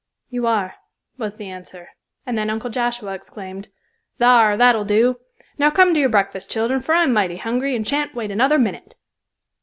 "You are," was the answer, and then Uncle Joshua exclaimed, "thar, that'll do. Now come to your breakfast, children, for I'm mighty hungry, and shan't wait another minute."